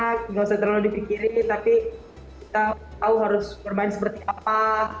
ya gitu tidur enak gak usah terlalu dipikirin tapi kita tau harus bermain seperti apa